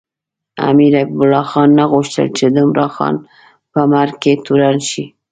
امیر حبیب الله خان نه غوښتل چې د عمراخان په مرګ کې تورن شي.